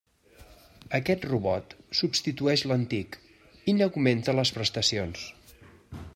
Aquest robot substitueix l'antic, i n'augmenta les prestacions.